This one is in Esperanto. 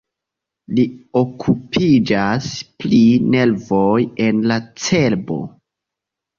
Li okupiĝas pri nervoj en la cerbo.